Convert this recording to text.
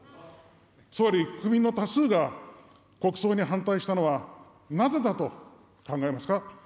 総理、国民の多数が国葬に反対したのはなぜだと考えますか。